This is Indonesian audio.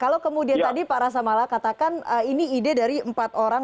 kalau kemudian tadi pak rasa mala katakan ini ide dari empat orang